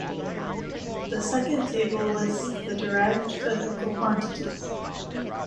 The second table lists the derived physical quantities.